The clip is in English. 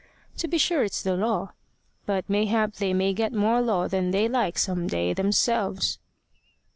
To be sure it's the law; but mayhap they may get more law than they like some day themselves."